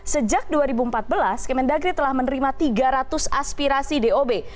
sejak dua ribu empat belas kemendagri telah menerima tiga ratus aspirasi dob